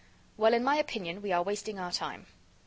"Well, in my opinion, we are wasting our time."